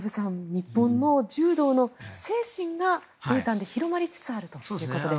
日本の柔道の精神がブータンで広まりつつあるということです。